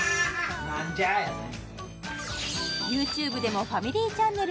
「なんじゃあ」やないねん